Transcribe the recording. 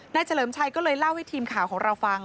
เฉลิมชัยก็เลยเล่าให้ทีมข่าวของเราฟัง